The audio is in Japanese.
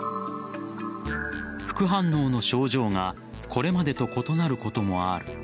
副反応の症状がこれまでと異なることもある。